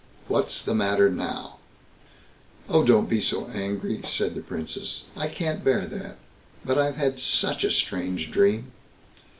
"What's the matter now?" "Oh, don't be so angry", said the Princess; "I can't bear that; but I've had such a strange dream."